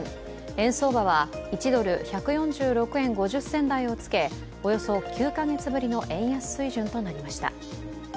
円相場は１ドル＝１４６円５０銭台をつけ、およそ９か月ぶりの円安水準となりました。